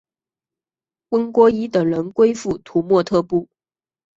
翁郭依等人归附土默特部。